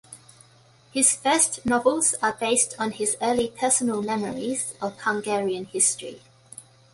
His first novels are based on his early personal memories of Hungarian history.